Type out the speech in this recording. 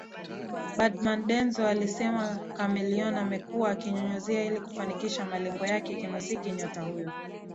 Badman Denzo alisema Chameleone amekuwa akinyunyiza ili kufanikisha malengo yake kimuziki Nyota huyo